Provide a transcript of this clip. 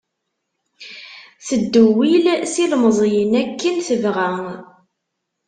Teddewwil s ilemẓiyen akken tebɣa.